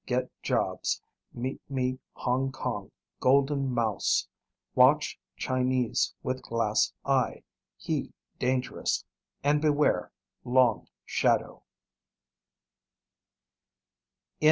GET JOBS, MEET ME HONG KONG GOLDEN MOUSE. WATCH CHINESE WITH GLASS EYE, HE DANGEROUS. AND BEWARE LONG SHADOW.